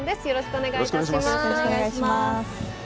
よろしくお願いします。